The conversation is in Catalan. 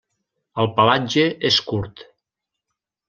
El pelatge és curt.